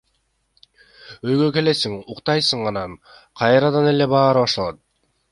Үйгө келесиң, уктайсың анан кайрадан эле баары башталат.